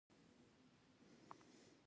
د رڼا رڼا هم د دوی په زړونو کې ځلېده.